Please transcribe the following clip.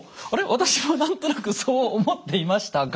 私は何となくそう思っていましたが。